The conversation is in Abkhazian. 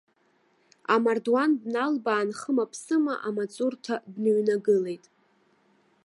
Амардуан дналбаан хымаԥсыма амаҵурҭа дныҩнагылеит.